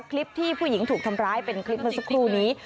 คลิปที่ผู้หญิงถูกทำร้ายเป็นคลิปเมื่อสักครู่นี้